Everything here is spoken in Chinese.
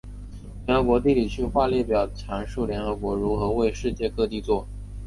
联合国地理区划列表阐述联合国如何为世界各地作。